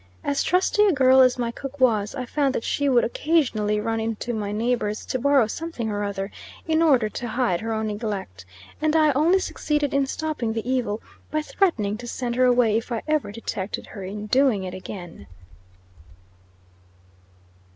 As trusty a girl as my cook was, I found that she would occasionally run in to a neighbor's to borrow something or other, in order to hide her own neglect; and I only succeeded in stopping the the evil by threatening to send her away if I ever detected her in doing it again.